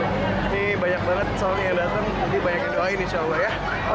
ini banyak banget soalnya yang datang mungkin banyak yang doain insya allah ya